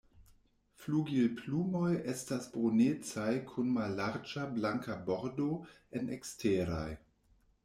Flugilplumoj estas brunecaj kun mallarĝa blanka bordo en eksteraj.